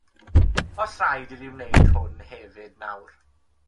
Oes raid i fi wneud hwn hefyd nawr?